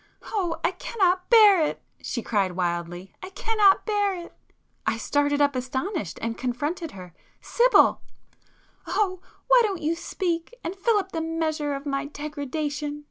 "Oh, I cannot bear it!" she cried wildly—"I cannot bear it!" I started up astonished, and confronted her. "Sibyl!" [p 199]"Oh, why don't you speak, and fill up the measure of my degradation!"